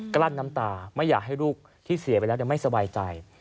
กลั้นน้ำตาไม่อยากให้ลูกที่เสียไปแล้วไม่สบายใจ